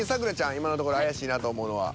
今のところ怪しいなと思うのは。